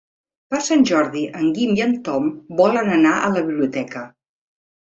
Per Sant Jordi en Guim i en Tom volen anar a la biblioteca.